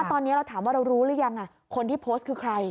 ตอนนี้เราถามว่าเรารู้หรือยังคนที่โพสต์คือใคร